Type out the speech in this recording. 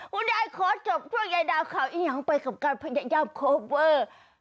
คุณใหญ่ขอจบช่วยใหญ่ดาวเขาอิงหยังไปกับการพยายามโคเวอร์